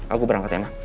aku berangkat ya ma